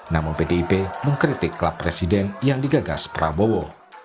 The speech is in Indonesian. namun pdip mengkritik klub presiden yang digagas prabowo